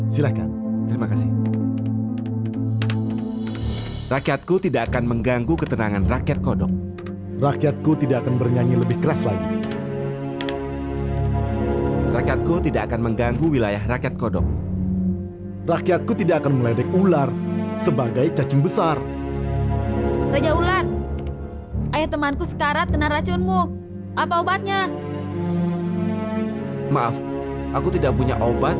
sampai jumpa di video selanjutnya